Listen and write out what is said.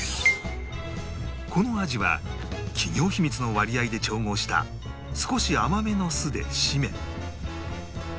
この鯵は企業秘密の割合で調合した少し甘めの酢で締め